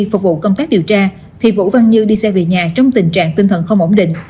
phục vụ công tác điều tra thì vũ văn như đi xe về nhà trong tình trạng tinh thần không ổn định